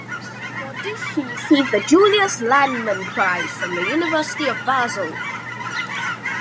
For this she received the Julius Landmann Prize from the University of Basel.